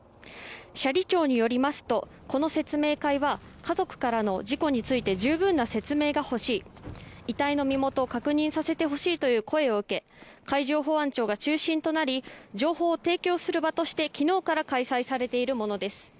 斜里町によりますとこの説明会は、家族からの事故について十分な説明が欲しい遺体の身元を確認させてほしいという声を受け海上保安庁が中心となり情報を提供する場として昨日から開催されているものです。